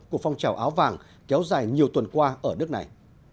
của phong trào áo vàng kéo dài nhiều tuần qua ở nước này